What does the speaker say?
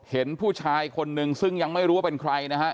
เห็นผู้ชายคนนึงซึ่งยังไม่รู้ว่าเป็นใครนะฮะ